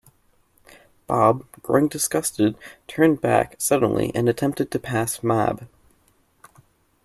Bob, growing disgusted, turned back suddenly and attempted to pass Mab.